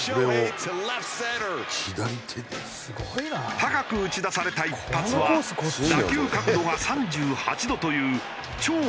高く打ち出された一発は打球角度が３８度という超高弾道。